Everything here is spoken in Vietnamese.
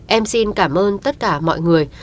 em xin cảm ơn tất cả mọi người